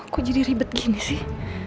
kok jadi ribet gini sih